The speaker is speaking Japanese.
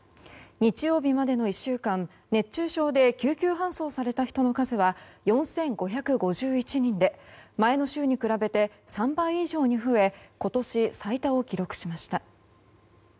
日曜日までの１週間、熱中症で救急搬送された人の数は４５５１人で、前の週に比べて３倍以上に増え今年最多を記録しました。